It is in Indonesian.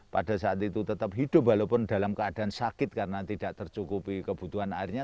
pada saat itu tetap hidup walaupun dalam keadaan sakit karena tidak tercukupi kebutuhan airnya